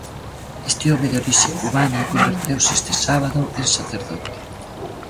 Este home de orixe cubana converteuse este sábado en sacerdote.